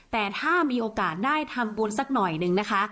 แต่ถ้ามีโอกาสได้ทำบุญสักหน่อยนึงนะคะ